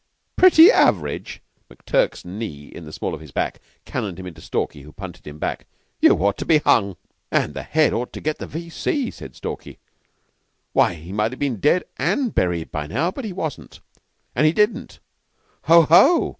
"Pretty average!" McTurk's knee in the small of his back cannoned him into Stalky, who punted him back. "You ought to be hung!" "And the Head ought to get the V.C.," said Stalky. "Why, he might have been dead and buried by now. But he wasn't. But he didn't. Ho! ho!